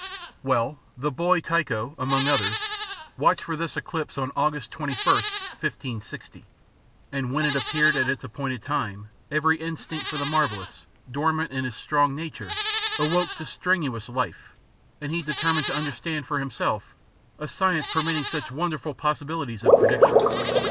Well, the boy Tycho, among others, watched for this eclipse on August 21st, 1560; and when it appeared at its appointed time, every instinct for the marvellous, dormant in his strong nature, awoke to strenuous life, and he determined to understand for himself a science permitting such wonderful possibilities of prediction.